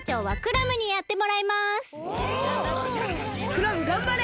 クラムがんばれ！